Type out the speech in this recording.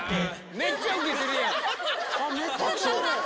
めっちゃ受けてるやん。